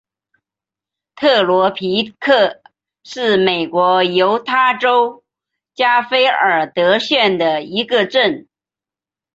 特罗皮克是美国犹他州加菲尔德县的一个镇。